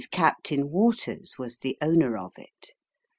Captain Waters was the owner of it.